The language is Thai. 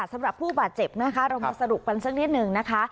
สำหรับผู้บาดเจ็บนะคะเรามาสรุปกันสักนิดหนึ่งนะคะ